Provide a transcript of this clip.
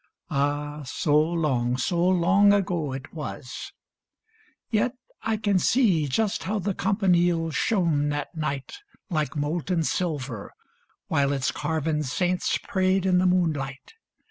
Ah, so long, So long ago it was ! Yet I can see Just how the campanile shone that night Like molten silver, while its carven saints Prayed in the moonlight.